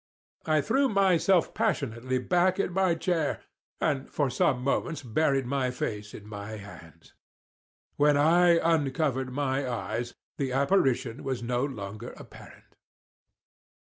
I threw myself passionately back in my chair, and for some moments buried my face in my hands. When I uncovered my eyes, the apparition was no longer apparent.